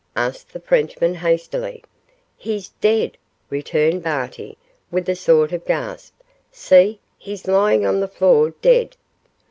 asked the Frenchman, hastily. 'He's dead,' returned Barty, with a sort of gasp; 'see, he's lying on the floor dead!